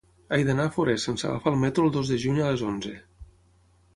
He d'anar a Forès sense agafar el metro el dos de juny a les onze.